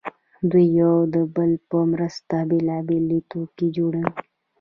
دوی یو د بل په مرسته بېلابېل توکي جوړوي